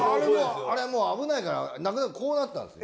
あれもう危ないからなくなってこうなったんですよ